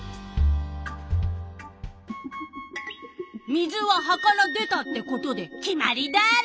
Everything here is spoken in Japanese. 水は葉から出たってことで決まりダーロ！